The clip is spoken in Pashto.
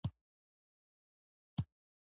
زردالو د لوږې احساس کموي.